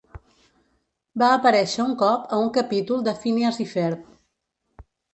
Va aparèixer un cop a un capítol de "Phineas y Ferb"